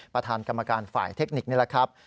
ประธานกรรมการฝ่ายเทคนิคนี่แหละครับ